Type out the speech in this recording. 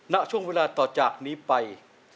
ณช่วงเวลาต่อจากนี้ไป